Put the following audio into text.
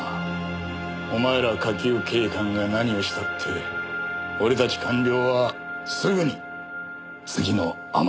お前ら下級警官が何をしたって俺たち官僚はすぐに次の天下りを開発するね。